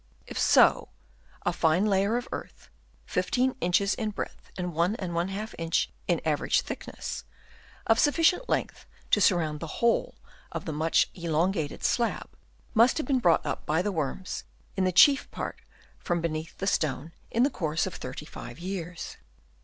If so, a layer of fine earth, 15 inches in breadth and 1^ inch in average thickness, of sufficient length to surround the whole of the much elongated slab, must have been brought up by the worms in chief part from beneath the stone in the course of 35 years.